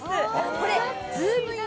これ、ズームイン！！